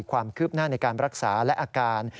ความคืบหน้าในการรักษาและอาการ